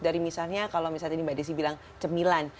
dari misalnya kalau misalnya tadi mbak desi bilang cemilan